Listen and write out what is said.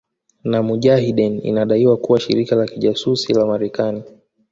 na mujahideen inadaiwa kuwa shirika la kijasusi la Marekani